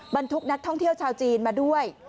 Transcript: บรรทุกนักท่องเที่ยวชาวจีนมาด้วย